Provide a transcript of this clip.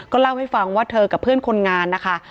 เล่าให้ฟังว่าเธอกับเพื่อนคนงานนะคะ